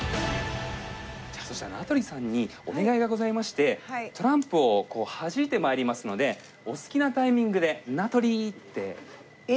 そしたら名取さんにお願いがございましてトランプをこうはじいて参りますのでお好きなタイミングで「名取！」って叫んで。